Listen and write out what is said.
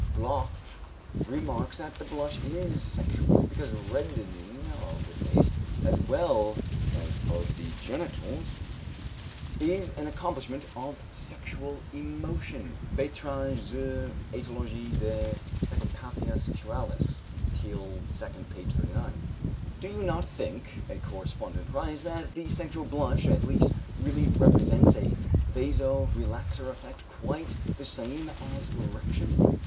Bloch remarks that the blush is sexual, because reddening of the face, as well as of the genitals, is an accompaniment of sexual emotion (Beiträge zur Ætiologie der Psychopathia Sexualis, Teil II, p. 39). "Do you not think," a correspondent writes, "that the sexual blush, at least, really represents a vaso relaxor effect quite the same as erection?